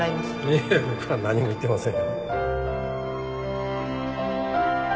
いや僕は何も言ってません